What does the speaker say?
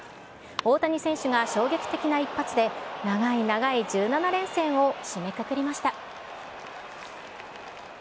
大谷選手が衝撃的な一発で、長い長い１７連戦を締めくくりました。